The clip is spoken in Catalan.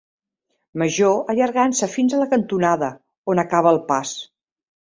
Major allargant-se fins a la cantonada, on acaba el pas.